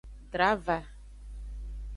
Drava.